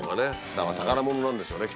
だから宝物なんでしょうね。